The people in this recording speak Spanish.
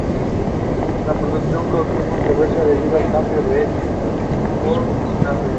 La producción causó controversia debido a los cambios hechos por Piscator.